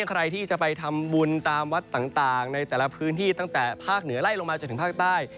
ใครที่จะไปทำบุญตามวัดต่างในแต่ละพื้นที่ตั้งแต่ภาคเหนือไล่ลงมาจนถึงภาคใต้